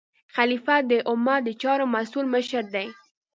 خلیفه د امت د چارو مسؤل مشر دی.